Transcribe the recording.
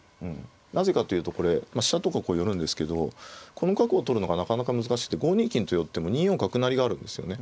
なぜかというとこれ飛車とかこう寄るんですけどこの角を取るのがなかなか難しくて５二金と寄っても２四角成があるんですよね